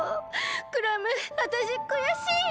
クラムわたしくやしいよ。